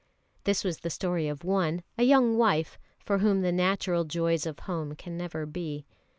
This was the story of one, a young wife, for whom the natural joys of home can never be.